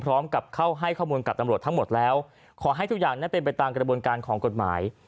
พร้อมกับเข้าให้ข้อมูลกับตำรวจทั้งหมดแล้วขอให้ทุกอย่างนั้นเป็นไปตามกระบวนการของกฎหมาย